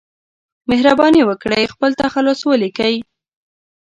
مهرباني وکړئ خپل تخلص ولیکئ